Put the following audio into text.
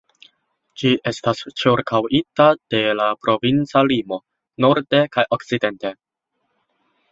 Ĝi estas ĉirkaŭita de la provinca limo norde kaj okcidente.